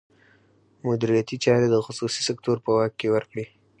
مدیریتي چارې د خصوصي سکتور په واک کې ورکړي.